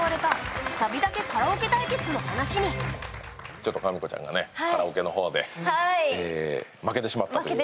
ちょっとかみこちゃんがカラオケの方で負けてしまったという。